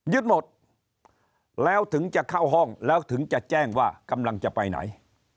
หมดแล้วถึงจะเข้าห้องแล้วถึงจะแจ้งว่ากำลังจะไปไหน